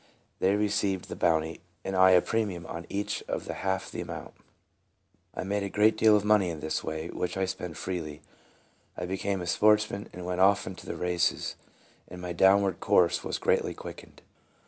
They received the bounty, and I had a pre mium on each of half the amount. I made a great deal of money in this way, which I spent freely. I became a sportsman, went often to the races, and my downward course was greatly quickened.